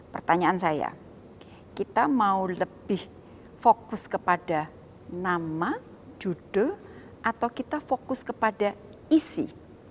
pertanyaan saya kita mau lebih fokus kepada nama judul atau kita fokus kepada isi